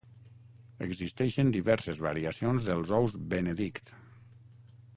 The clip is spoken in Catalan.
Existeixen diverses variacions dels ous Benedict.